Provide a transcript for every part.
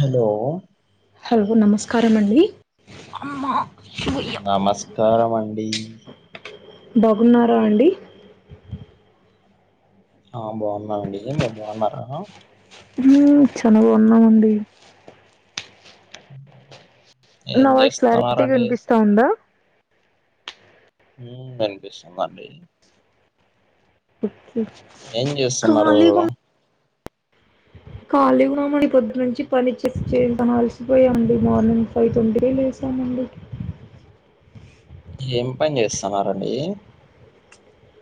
Hello hello నమస్కారమ అండి నమస్కారం అండి బాగున్నారా అండి ఆ బాగున్నండి మీరు బాగున్నారా మ్మ్ [inaudible] ఉన్నామండి ఏం నా వాయిస్ క్లారిటీగా చేస్తున్నారండి వినిపిస్తాందా మ్మ్ వినిపిస్తుందండి ఏం చేస్తున్నారు ఖాళీగా ఉ ఖాళీగా [inaudible] పొద్దు నుంచి ఇప్పటి నించే [inaudible] అలిసిపోయానండి మార్నింగ్ ఫైవ్ ట్వంటీకే లేసామండి ఏం పని చేస్తన్నారండి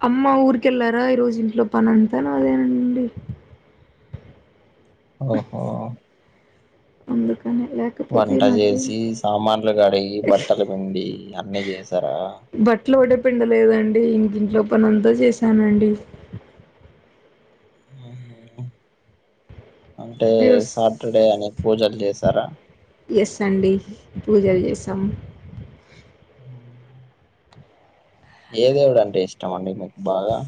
అమ్మ ఊరికెళ్ళారా ఈ రోజు ఇంట్లో పనంతా నాదేనండి ఓహో అందుకనే [inaudible] వంట నాకే చేసి, సామాన్లు కడిగి, బట్టలు పిండి అన్నీ చేసారా బట్లు ఒకటే పిండలేదండి ఇంక ఇంట్లో పనంతా చేశానండి అంటే ఎస్ సాటర్డే అని పూజలు చేసారా ఎస్ అండి పూజలు చేసాము మ్మ్ ఏ దేవుడంటే ఇష్టం అండి మీకు బాగా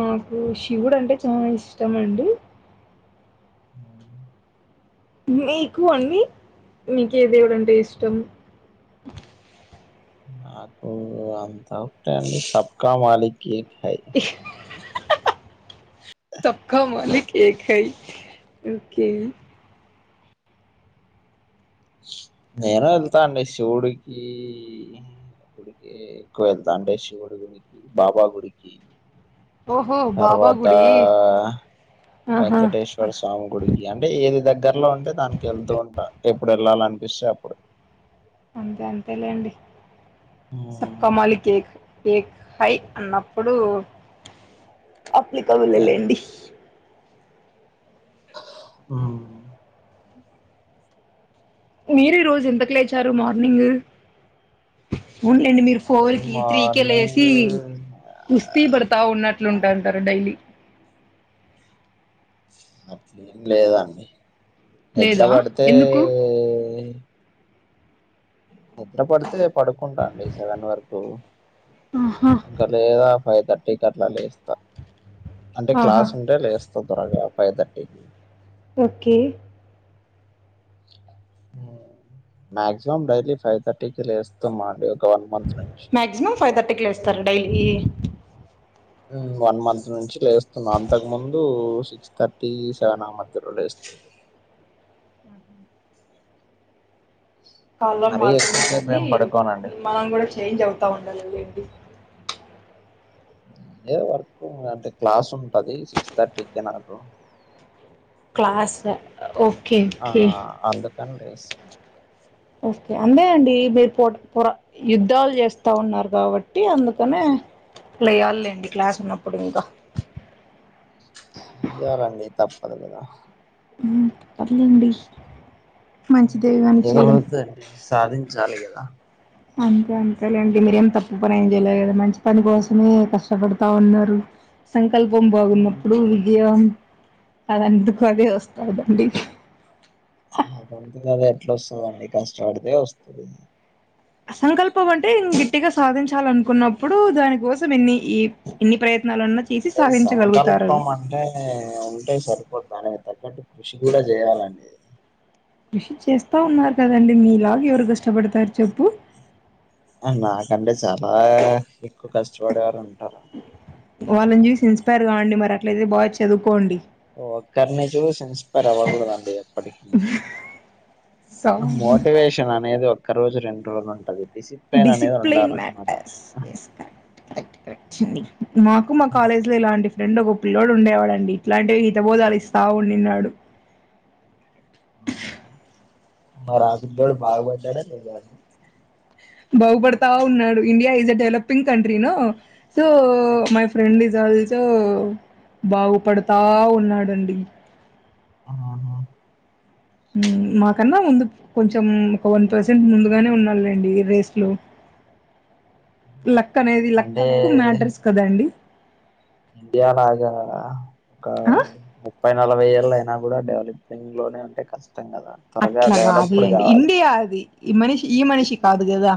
నాకు శివుడు అంటే చాలా ఇష్టం అండి మ్మ్ మీకు అండి మీకు ఏ దేవుడంటే ఇష్టం నాకు అంతా [unintelligible] సబ్కా మాలికకి హై ఇహ్ సబ్కా మాలిక్ కి ఏక్ హై నేను వెళ్తా అండి శివుడికి [inaudible] శివుని గుడికి, బాబా గుడికి ఓహో బాబా తర్వాత గుడి ఆహా వెంకటేశ్ స్వామి గుడికి అంటే ఏది దగ్గరలో ఉంటే దానికి వెళ్తూ ఉంటా ఎప్పుడు వెళ్ళాలనిపిస్తే అప్పుడు అంతే అంతేలేండి హ్మ్. సబ్కా మాలికేక్ ఏక్ హై అన్నప్పుడు అప్లి అంతే [unintelligible] అండి. లేండి మ్మ్ మీరు ఈ రోజు ఎంతకు లేచారు మార్నింగ్ అవునులేండి మీరు ఫోర్ నేను కి త్రీ కే మార్నింగ్ లేసి కుస్తీ పడతా ఉన్నట్లుంటాంటారు కదా డైలీ అట్లేం లేదండి నిద్ర లేదా పడితే ఎందుకు నిద్ర పడితే పడుకుంటా అండి సెవెన్ వరకు ఆహా ఇంకా లేదా ఫైవ్ థర్టీకి అట్ల లేస్తా అంటే ఆహా క్లాస్ ఉంటే లేస్తా తొందరగా ఫైవ్ థర్టీకి ఓకే మాక్సిమం డైలీ ఫైవ్ థర్టీకే లేస్తామండి ఒక వన్ మంత్ నుంచి మ్యాక్సిమం ఫైవ్ థర్టీకి లేస్తారు డైలీ మ్మ్ వన్ మంత్ నుంచి లేస్తున్నా అంతకు ముందు సిక్స్ థర్టీ, సెవన్ ఆ మధ్యలో లేస్తా ఆహ కాలం మరీ మారుతుండే ఎక్కువసేపు కొద్దీ ఏం పడుకోనండి మనం కూడా చేంజ్ అవుతా ఉండాల లేండి ఇదే వర్క్ అంటే క్లాస్ ఉంటది సిక్స్ థర్టీకి నాకు క్లాసా ఓకే ఆ ఓకే ఆ అందుకని లేస్తున్న ఓకే అందే అండి మీరు పోరా యుద్ధాలు చేస్తా ఉన్నారు కాబట్టి అందుకనే లేయాలేండి క్లాస్ ఉన్నప్పుడు ఇంకా చెయ్యాలండి తప్పదు కదా ఉమ్ పర్లేండి మంచిదే గాని ఏదో చేయడం. ఒకతి అండి సాధించాలి కదా అంతే అంతే లేండి మీరేం తప్పు పని ఏం చేయలే కదా మంచి పని కోసమే కష్టపడతా ఉన్నారు సంకల్పం బాగున్నప్పుడు విజయం అదంతకు అదే వస్తాదండి అదంతకు అది ఎట్లా వస్తాదండీ కష్టపడితే వస్తది అసంకల్పం అంటే గిట్టిగా సాధించాలనుకున్నప్పుడు దానికోసం ఎన్ని ఈ ఎన్ని ప్రయత్నాలన్నా చేసి సాధించగలుగుతారు ఆ అది ఉంటే సరిపోద్దా దానికి తగ్గట్టు కృషి కూడా చెయ్యాలండి కృషి చేస్తా ఉన్నారు కదండి మీలాగ ఎవరు కష్టపడతారు చెప్పు నాకంటే చాలా ఎక్కువ కష్టపడేవారు ఉంటారు వాళ్ళని చూసి ఇన్స్పైర్ కాండి మరి అట్లయితే బాగ చదువుకోండి ఒకరిని చూసి ఇన్స్పైర్ అవ్వకూడదండి ఎప్పటికి సో మోటివేషన్ అనేది ఒక్క రోజు రెండు రోజులు ఉంటది డిసిప్లిన్ అనేది డిసిప్లైన్ ఉండాలనమాట మ్యాటర్స్ ఎస్ కరెక్ట్ కరెక్ట్ అండి మాకు ఉమ్. కాలేజ్‌లో ఇలాంటి ఫ్రెండు ఒక పిల్లోడు ఉండేవాడండి ఇట్లాంటివే హితబోధాలు ఇస్తా ఉండిన్నాడు మరి ఆ పిల్లోడు బాగుపడ్డాడా లేదా బాగుపడతా ఉన్నాడు India is a developing country నా so my friend is also బాగుపడతా ఉన్నాడండి ఆహా ఉమ్మ్ మాకన్నా ముందు కొంచెం ఒక వన్ పర్సెంట్ ముందుగానే ఉన్నలేండి రేస్‌లో లక్ అనేది లక్ అంటే మ్యాటర్స్ కదండి ఇండియా లాగా ఏమన్నా ఒక ఆ ముప్పై నలభై ఏళ్ళు అయినా కూడా డెవలపింగ్ లోనే ఉంటే కష్టం కదా త్వరగా అట్లా కాదు డెవలప్డ్ అండి కావాలి ఇండియా అది ఈ మనిషి ఈ మనిషి కాదు కదా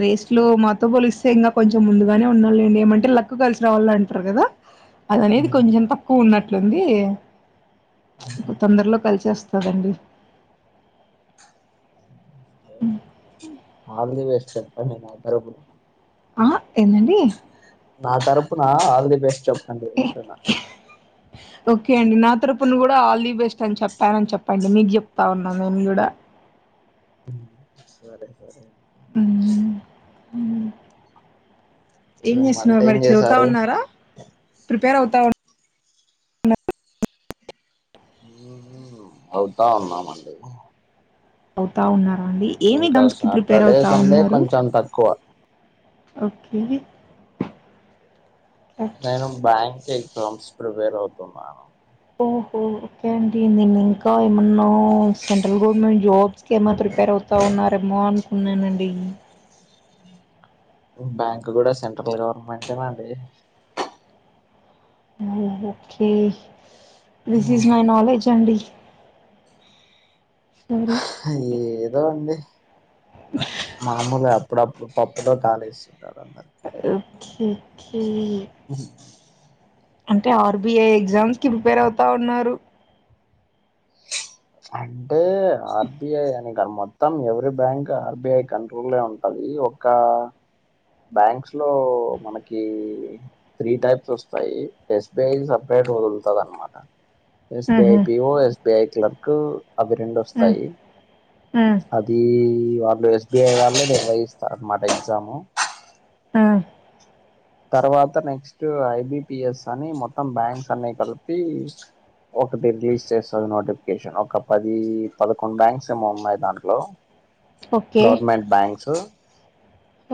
రేస్‌లో మాతో పోలిస్తే ఇంకా కొంచెం ముందుగానే ఉన్నాడ లేండి ఏమంటే లక్ కలిసి రావాల అంటారు కదా అదనేది కొంచెం తక్కువ ఉన్నట్లుంది తొందరలో కలిసి వస్తదండి ఆల్ ది బెస్ట్ చెప్పండి నా తరపున ఆ ఏందండి నా తరపున ఆల్ ది బెస్ట్ చెప్పండి అంటున్నా ఓకే అండి నా తరపున కూడా ఆల్ ది బెస్ట్ అని చెప్పానని చెప్పండి మీకు చెప్తా ఉన్నా నేను కూడా ఉమ్ సరే సరే మ్మ్. మ్మ్. ఏం ఇంకేం వంట చేస్తున్నారు ఏం మరి చదువుతా చేశారు ఉన్నారా ప్రిపేర్ అవుతా ఉ మ్ అవుతా ఉన్నామండి అవుతా ఉన్నారండి ఏమి ఎగ్జామ్స్ కి ప్రిపేర్ అవుతా ఉన్నారు కానీ తక్కువ ఓకే ఓకే. నేను బ్యాంక్ ఎగ్జామ్స్ ప్రిపేర్ అవుతున్నాను ఓహో ఓకే అండి నేను ఇంకా ఏమన్నా సెంట్రల్ గవర్నమెంట్ జాబ్ ఎగ్జామ్స్ కేమో ప్రిపేర్ అవుతా ఉన్నారేమో అనుకున్నానండి బ్యాంక్ కూడా సెంట్రల్ గవర్నమెంటేనండి మ్ okay this is my knowledge అండి సురేష్ ఏదో అండి మామూలు కాద్ ఇప్పుడుప్పుడు పప్పులో కాలేస్తుంటారు అన్నారు ఒకే ఒకే ఉహు అంటే ఆర్బిఐ ఎగ్జామ్స్ కి ప్రిపేర్ అవుతా ఉన్నారు చాన్ అంటే ఆర్బిఐ అని కాదు మొత్తం ఎవరి బ్యాంక్ ఆర్బిఐ కంట్రోల్ ఉంటది ఇకా బ్యాంక్స్ లో మనకి త్రీ టైప్స్ వస్తాయి ఎస్బిఐ సపరేట్ గా వదులుతంది అనమాట ఎస్బిఐ మ్హూ, పిఓ ఎస్బిఐ క్లర్క్ అవి రెండు మ్, వస్తాయి మ్, అది వాళ్ళు ఎస్బిఐ వాళ్ళే నిర్వహిస్తారు అనమాట ఎగ్జాము ఆ తర్వాత నెక్స్ట్ ఐబిపిఎస్ అని మొత్తం బ్యాంక్స్ అన్ని కలిపి ఒకటి రిలీజ్ చేస్తది నోటిఫికేషన్ ఒక పది పదకొండు బ్యాంక్స్ ఏమో ఉన్నాయి దాంట్లో ఓ గవర్నమెంట్ బ్యాంక్స్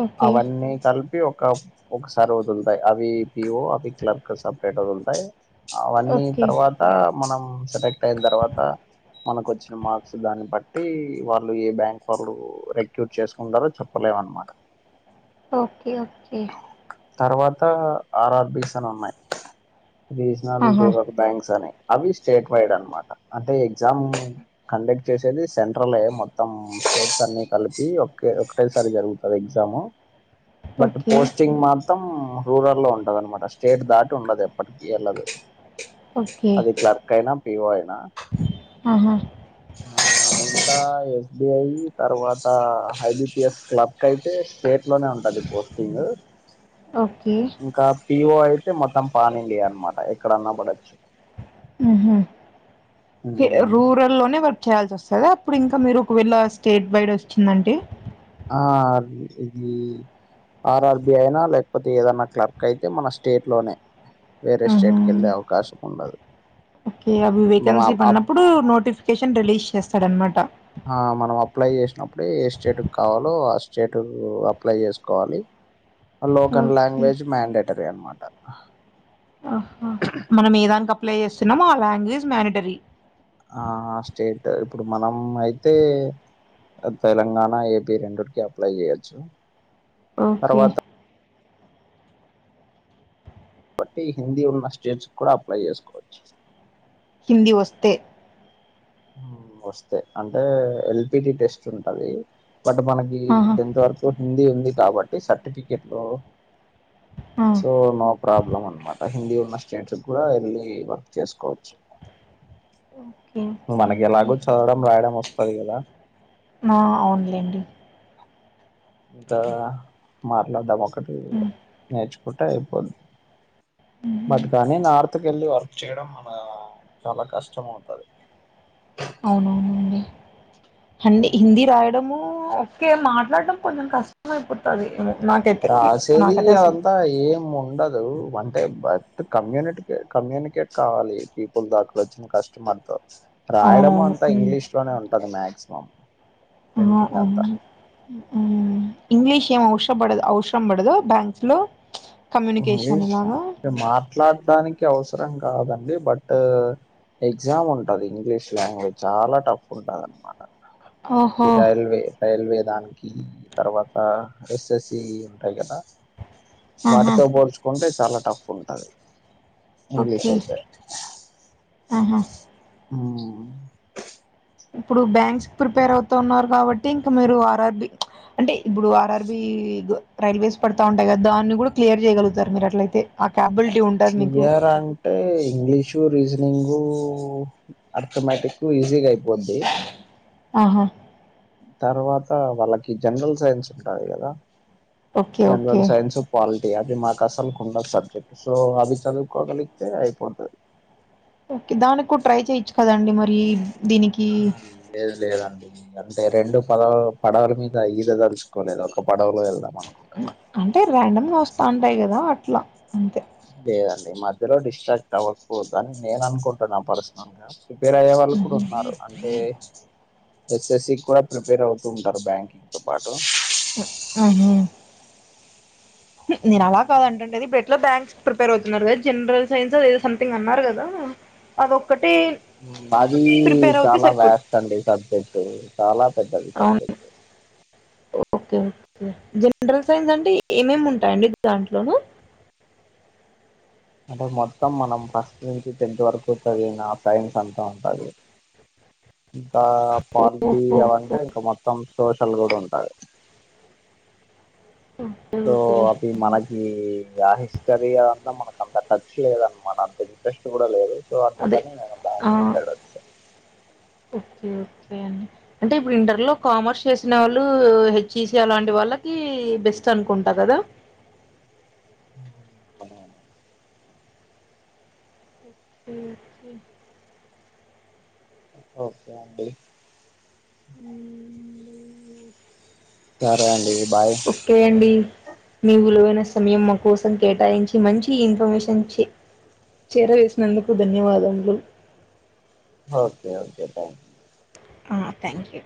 ఓకే అవన్నీ కలిపి ఒక ఒకసారి వదులుతాయి అవి పిఓ అవి క్లర్క్ సపరేట్ వదులుతాయి అవన్నీ ఓకే తర్వాత ఆ మనం సెలెక్ట్ అయిన తర్వాత మనకొచ్చిన మార్క్స్ దాన్ని బట్టి వాళ్ళు ఏ బ్యాంక్ వాళ్ళు రెక్యూట్ చేసుకుంటారో చెప్ప తెలీదు అన్మాట ఓకే ఓకే తర్వాత ఆర్ఆర్బిస్ అని ఉన్నాయి రీజనల్ ఆహా రూరల్ బ్యాంక్స్ అని అవి స్టేట్ వైడ్ అనమాట అంటే ఎగ్జామ్ కండక్ట్ చేసేది సెంట్రలే మొత్తం స్టేట్స్ అన్ని కలిపి ఒక ఒకటేసారి జరుగుతుంది అది ఎగ్జాము ఓకే స్ంగ్ మాత్రం రూరల్ లో ఉంటద అనమాట స్టేట్ దాటి ఉండదు ఎప్పటికి వెళ్ళదు ఓకే అది క్లర్క్ అయిన పిఓ అయినా ఆహా ఆ ఇంకా ఎస్బిఐ తర్వాత హైబిపిఎస్ క్లర్క్ అయితే స్టేట్ లోనే ఉంటది పోస్ట్ తుంది ఓకే ఇంకా పిఓ అయితే మొత్తం పానిండియా అనమాట ఎక్కడన్నా పడచ్చు ఊహు ఏ రూరల్ లోనే పడ్ చేయాల్సి వస్తుంది అప్పుడు ఇంకా మీరు ఒకవేళ స్టేట్ వైడ్ వచ్చిందంటే ఆ ఆది ఇది ఆర్ఆర్బి అయినా లేకపోతే ఏదన్నా క్లర్క్ అయితే మన స్టేట్ లోనే వేరే ఆహా స్టేట్ కి ఎళ్ళే అవకాశం ఉండదు ఓకే అవి వేకెన్సీ పడినప్పుడు నోటిఫికేషన్ రిలీజ్ చేస్తాడన్నమాట ఆ మనం అప్లై చేసినప్పుడే ఏ స్టేట్ కి కావాలో ఆ స్టేట్ కి అప్లై చేసుకోవాలి లోకల్ ఓకే లాంగ్వేజ్ మ్యాండేటరీ అనమాట ఆహ మనం ఏదానికి అప్లై చేస్తున్నాం ఆ లాంగ్వేజ్ మ్యానిటరీ ఆ స్టేట్ ఇప్పుడు మనం అయితే తెలంగాణ ఏపీ రెండిటికి అప్లై చెయచ్చు ఓకే తర్వాత కాబట్టి హిందీ ఉన్న స్టేట్స్ కూడా అప్లై చేసుకోవచ్చు హిందీ వస్తే వస్తే అంటే ఎల్పిటి టెస్ట్ ఉంటది బట్ మనకి ఆహా టెన్త్ వరకు సో హిందీ ఉంది కాబట్టి సర్టిఫికెట్టూ ఆ సో నాకు ప్రాబ్లం అనమాట హిందీ ఉన్న స్టేంట్స్ కూడా ఎళ్లీ వర్క్ చేసుకోవచ్చు ఓకే ఓకే మనకి అండి ఎలాగూ చదవడం రాయడం వస్తది కదా ఆ అవునులేండి అంతే కదా మార్లాడం ఒకటి ఉమ్, నేర్చుకుంటే అయిపోద్ది ఉమ్. బట్ కాని నార్త్ కెళ్ళి వర్క్ చేయడం మన చాలా కష్టం అవుతుది అవునవునండి అంటె హిందీ రాయడమూ ఒకే మాట్లాడడం కొంచెం కష్టం అయిపోతాది నాకు రాసేది అదంతా ఏమీ ఉండదు అంటే బట్ కమ్యూనిటీ కమ్యూనికేట్ కావాలి పీపుల్ దాకాలో వచ్చి కష్టమనుకోవచ్చు రాయడము అవునవును అంతా ఉమ్ ఇంగ్లీష్ లోనే ఉంటది మాక్సిమం ఆ ప్రింటింగ్ అంతా అవును మ్ ఇంగ్లీష్ ఏం అవసర పడదు అవసరం పడదా బ్యాంక్స్ లో కమ్యూనికేషన్ ఇలాగా అంటే మాట్లాడడాానికి అవసరం కాదండి బట్ ఎగ్జామ్ ఉంటది ఇంగ్లీష్ లాంగ్వేజ్ చాలా టఫ్ ఉంటాదనమాట ఓహో ఈ రైల్వే రైల్వే దానికి తర్వాత ఎస్ఎస్సి ఉంటాయి కదా ఆహా వాటితో పోల్చుకుంటే చాలా టఫ్ ఉంటది ఇంగ్లీష్ ఓకే అయితే ఆహా మ్ ఇప్పుడు బ్యాంక్స్ ప్రిపేర్ అవుతూ ఉన్నారు కాబట్టి ఇంకా మీరు ఆర్ఆర్బి అంటే ఇప్పుడు ఆర్ఆర్బి రైల్వేస్ పడతా ఉంటాయి కదా దాన్ని కూడా క్లియర్ చేయగలుగుతారు మీరు అట్లయితే ఆ క్యాపబిలిటీ ఉంటుంది మీకు క్లియర్ అ అంటే ఇంగ్లీషు రీజనింగు అర్థమటిక్ ఈజీగా అయిపోద్ది ఆహా తర్వాత వాళ్ళకి జనరల్ సైన్స్ ఉంటాది కదా okay okay general science quality అవి మాకు అసలు కుండ సబ్జెక్ట్ సో అవి చదువుకోగలిగితే అయిపోతాది ఓకే దానికి కూడా ట్రై చేయచ్చు కదండి మరి దీనికి ఆ లేదు లేదు లేదండి అంటే రెండు పడవులు పడవల మీద ఈద తలుచుకోలేదు ఒక పడవలో వెళ్దామ అంటే ర్యాండమ్గా వస్తా ఉంటాయి కదా అట్లా అంతే లేదండి మధ్యలో డిస్ట్రాక్ట్ అవ్వకపోదు అని నేను అనుకుంటున్నా పర్సనల్ గా ప్రిపేర్ అయ్యే వాళ్ళు కూడా మ్మ్. ఉన్నారు అంటే ఎస్ఎస్సి కూడా ప్రిపేర్ అవుతూ ఉంటారు బ్యాంకింగ్ తో పాటు ఆహా నేను అలా కాద అంటండి అది బ ఇట్లా బ్యాంక్స్ ప్రిపేర్ అవుతున్నారు కదా జనరల్ సైన్స్ ఎదో సంథింగ్ అన్నారు కదా అదొక్కటి అది మీ ప్రిపేర్ అవుతే చాలా సరిపోద్ది బ్యాస్ట్ అండి సబ్జెక్ట్ చాలా పెద్దది అవును సబ్జెక్ట్ ఓకే జనరల్ సైన్స్ అంటే ఏమేమి ఉంటాయండి దాంట్లోను అంటే మొత్తం మనం ఫస్ట్ నుంచి టెన్త్ వరకు చదిన సైన్స్ అంతా ఉంటది ఇంకా ఓహో పాలిటీ అవంటే ఇంకా మొత్తం సోషల్ గుడ ఉంటది ఓకే తో ఓకే అది మనకి రా [unintelligible] సదిగాదంతా మనకు అంత ఖర్చు లేదనమాట అంత ఇంట్రెస్ట్ కూడా లేదు అదే నే ఆ బ్యాంకింగ్ కతే [unintelligible] ఓకే ఓకే అండి అంటే ఇప్పుడు ఇంటర్ లో కామర్స్ చేసిన వాళ్ళు హెచ్ఈసి అలాంటి వాళ్ళకి బెస్ట్ అనుకుంటా కదా అదద [unintelligible] ఓకే ఓకే అండి మ్మ్. సరే అండి బాయ్ ఓకే అండి మీ విలువైన సమయం మా కోసం కేటాయించి మంచి ఇన్ఫర్మేషన్ చే చేరవేసినందుకు ధన్యవాదములు okay okay thank you thank you